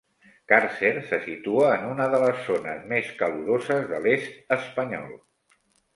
Càrcer se situa en una de les zones més caloroses de l'est espanyol.